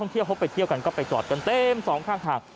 ท่องเที่ยวพบไปเที่ยวกันก็ไปจอดกันเต็ม๒ข้างทาง